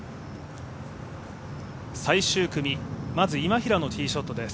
最終組、まず今平のティーショットです。